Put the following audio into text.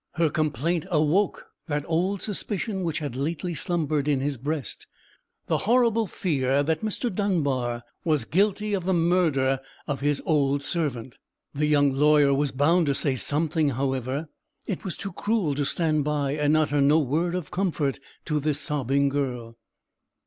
Her complaint awoke that old suspicion which had lately slumbered in his breast—the horrible fear that Mr. Dunbar was guilty of the murder of his old servant. The young lawyer was bound to say something, however. It was too cruel to stand by and utter no word of comfort to this sobbing girl.